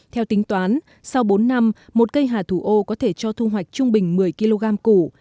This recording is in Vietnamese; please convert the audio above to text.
theo tính toán sau bốn năm một cây hà thủ ô có thể cho thu hoạch trung bình một mươi kg củ